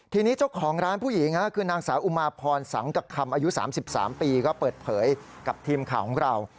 ทีนี้เจ้าของร้านผู้หญิงคือนางสาวอุมาพรสังกคำอายุ๓๓ปีก็เปิดเผยกับทีมข่าวของเรา